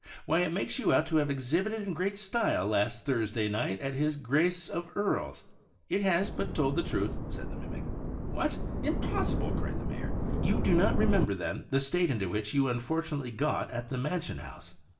Why, it makes you out to have ex hibited in great style last Thursday night at his G race of 's!" "It has but told the truth," said the mimic. "What? impossi ble!" cried the Mayor. "You do not remember, then, the state into which you unfortunately got at the Mansion House?"